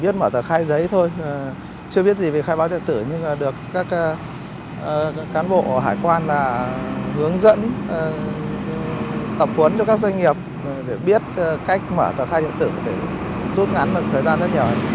biết mở tờ khai giấy thôi chưa biết gì về khai báo điện tử nhưng được các cán bộ hải quan hướng dẫn tập huấn cho các doanh nghiệp để biết cách mở tờ khai điện tử để rút ngắn được thời gian rất nhiều